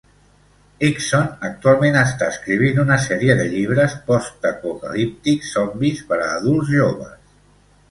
Higson actualment està escrivint una sèrie de llibres postapocalíptics zombis per a adults joves.